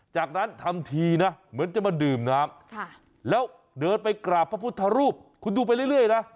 จากนั้นทำทีนะเหมือนจะมาดื่มน้ำแล้วเดินไปกราบพระพุทธรูปคุณดูไปเรื่อยนะ